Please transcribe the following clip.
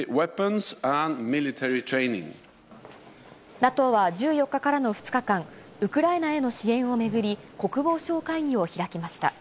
ＮＡＴＯは１４日からの２日間、ウクライナへの支援を巡り、国防省会議を開きました。